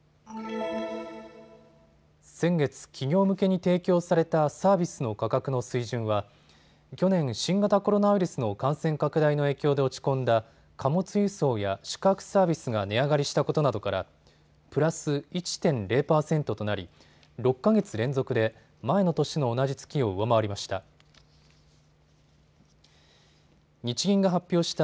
先月、企業向けに提供されたサービスの価格の水準は去年、新型コロナウイルスの感染拡大の影響で落ち込んだ貨物輸送や宿泊サービスが値上がりしたことなどからプラス１．０％となり、６か月連続で前の年の同じ月を上回りました。